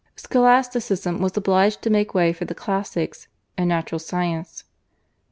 Scholasticism was obliged to make way for the classics and natural science.